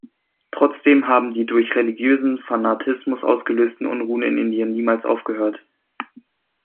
Trotzdem haben die durch religiösen Fanatismus ausgelösten Unruhen in Indien niemals aufgehört.